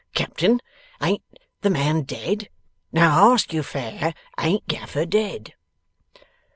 Captain! Ain't the man dead? Now I ask you fair. Ain't Gaffer dead?